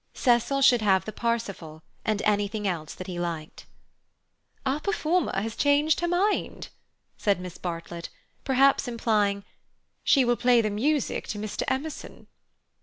Cecil should have the Parsifal, and anything else that he liked. "Our performer has changed her mind," said Miss Bartlett, perhaps implying, she will play the music to Mr. Emerson.